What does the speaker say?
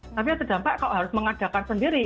tapi yang terdampak kalau harus mengadakan sendiri